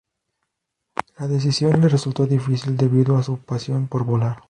La decisión le resultó difícil debido a su pasión por volar.